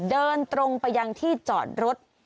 เดินตรงไปยังที่จอดรถ